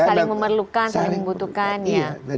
saling memerlukan saling membutuhkannya